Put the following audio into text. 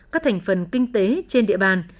các thành phần kinh tế trên địa bàn